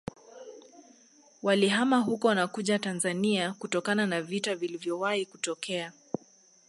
Walihama huko na kuja Tanzania kutokana na vita vilivyowahi kutokea